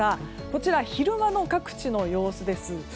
こちら、昼間の各地の様子です。